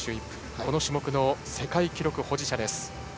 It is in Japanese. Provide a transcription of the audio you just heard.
この種目の世界記録保持者。